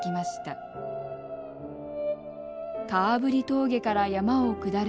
顔振峠から山を下る